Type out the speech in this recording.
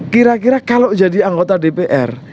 kira kira kalau jadi anggota dpr